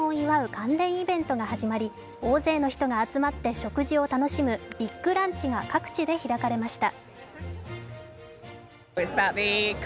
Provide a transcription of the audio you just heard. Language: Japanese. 関連イベントが始まり、大勢の人が集まって食事を楽しむビッグランチが各地で開かれました。